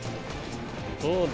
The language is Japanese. どうだ？